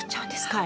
はい。